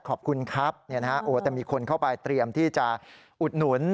ขอบคุณครับแต่มีคนเข้าไปเตรียมที่จะอุดหนุน